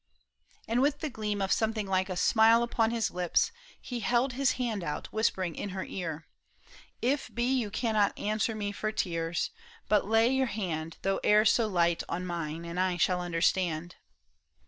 And with the gleam Of something like a smile upon his Hps, He held his hand out, whispering in her ear, " If be you cannot answer me for tears, But lay your hand, though e'er so light, on mine, And I shall understand."